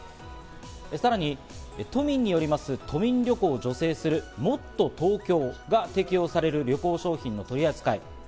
さらに都民によります、都内旅行を助成します、もっとＴｏｋｙｏが適用される旅行商品の取り扱い。